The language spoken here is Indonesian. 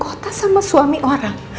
kota sama suami orang